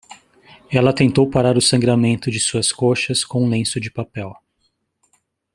Ela tentou parar o sangramento de suas coxas com um lenço de papel.